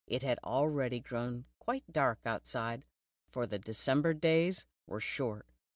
It had already grown quite dark outside, for the December days were short.